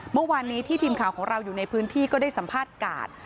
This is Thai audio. เมื่อวานนี้ที่ทีมข่าวของเราอยู่ในพื้นที่ก็ได้สัมภาษณ์กาด